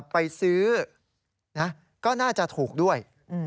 ไปซื้อก็น่าจะถูกด้วย